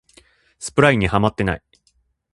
スプラインにハマってない